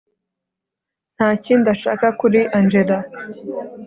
ntakindi ashaka kuri angella